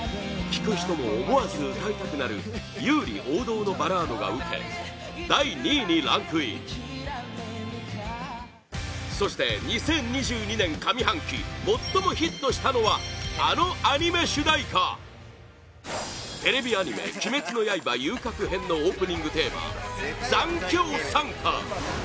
聴く人も思わず歌いたくなる優里王道のバラードが受け第２位にランクインそして２０２２年上半期最もヒットしたのはあのアニメ主題歌テレビアニメ「鬼滅の刃“遊郭編”」のオープニングテーマ「残響散歌」